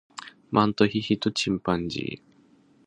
マントヒヒとチンパンジー